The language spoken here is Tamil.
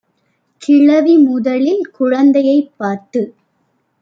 கிழவி முதலில் குழந்தையைப் பார்த்து